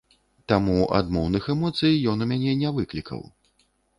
Таму адмоўных эмоцый ён у мяне не выклікаў.